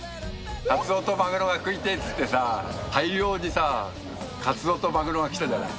カツオとマグロが食いたいって言ってさ、大量にさ、カツオとマグロが来たじゃない。